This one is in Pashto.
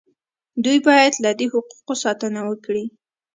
دوی باید له دې حقوقو ساتنه وکړي.